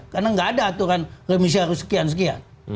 karena nggak ada aturan remisi harus sekian sekian